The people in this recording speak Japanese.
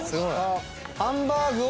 ハンバーグを。